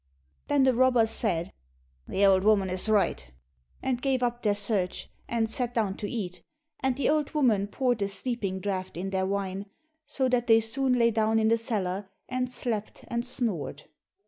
Then the robbers said, "The old woman is right," and gave up their search, and sat down to eat, and the old woman poured a sleeping draught in their wine, so that they soon lay down in the cellar, and slept and snored.